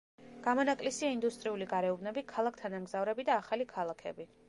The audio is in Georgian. გამონაკლისია ინდუსტრიული გარეუბნები, ქალაქ-თანამგზავრები და ახალი ქალაქები.